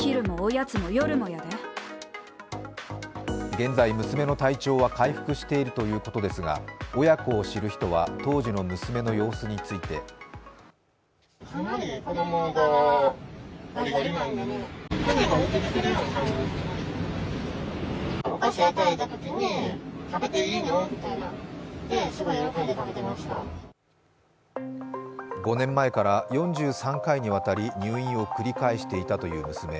現在、娘の体調は回復しているということですが、親子を知る人は当時の娘の様子について５年前から４３回にわたり入院を繰り返していたという娘。